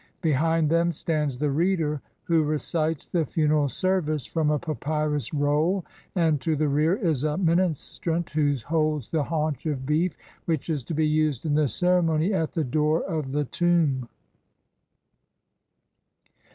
Behind them stands the "Reader" who recites the fune ral service from a papyrus roll, and to the rear is a ministrant who holds the haunch of beef which is to be used in the ceremony at the door of the tomb.